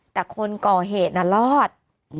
แต่คนก่อเหตุน่ะรอด